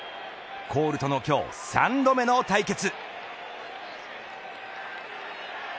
コールとの今日、３度目の対決。